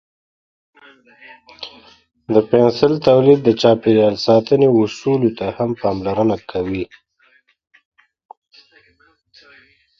د پنسل تولید د چاپیریال ساتنې اصولو ته هم پاملرنه کوي.